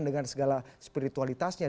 dengan segala spiritualitasnya